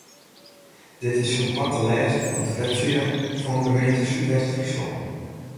Dit is sûnt koart te lêzen op de webside fan gemeente Súdwest-Fryslân.